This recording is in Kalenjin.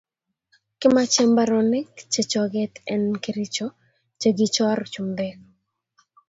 Kimache mbaronik che choket en kericho che kichor chumbek